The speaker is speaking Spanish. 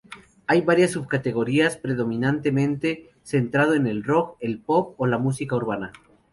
Hay varias subcategorías, predominantemente centrado en el rock, el pop o la música urbana.